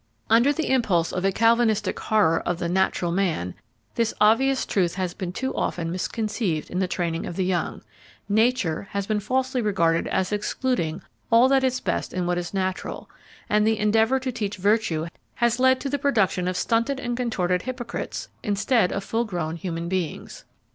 Under the impulse of a Calvinistic horror of the "natural man," this obvious truth has been too often misconceived in the training of the young; "nature" has been falsely regarded as excluding all that is best in what is natural, and the endeavour to teach virtue has led to the production of stunted and contorted hypocrites instead of full grown human beings.